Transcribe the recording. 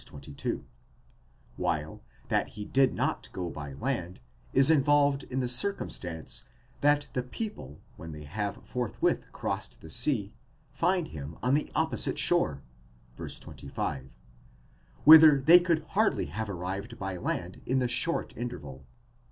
22); while, that he did not go by land, is involved in the circumstance that the people when they have forthwith crossed the sea, find him on the opposite shore (v. 25), whither he could hardly have arrived by land in the short interval.